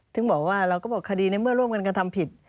ถึงบอกว่าเราก็บอกคดีในเมื่อร่วมกันกระทำผิด